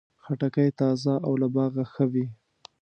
خټکی تازه او له باغه ښه وي.